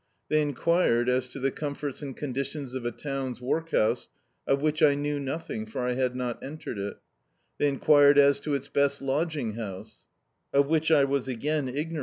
They enquired as to the comforts and cmdidons of a town's workhouse, of which I knew nothing, for I had not entered it They enquired as to its best lodging house, of which I was again ignorant, Do.